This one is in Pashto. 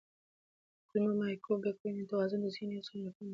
د کولمو مایکروبیوم توازن د ذهني هوساینې لپاره مهم دی.